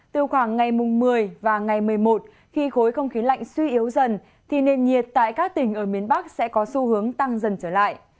từ khoảng ngày một mươi và ngày một mươi một khi khối không khí lạnh suy yếu dần thì nền nhiệt tại các tỉnh ở miền bắc sẽ có xu hướng tăng dần trở lại